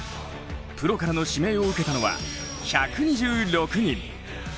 プロからの指名を受けたのは１２６人。